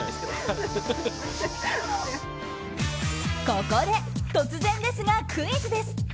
ここで、突然ですがクイズです。